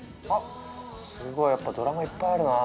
すごいやっぱドラマいっぱいあるなあ。